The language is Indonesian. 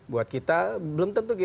buat kita belum tentu